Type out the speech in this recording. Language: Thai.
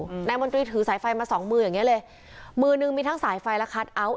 อืมนายมนตรีถือสายไฟมาสองมืออย่างเงี้เลยมือนึงมีทั้งสายไฟและคัทเอาท์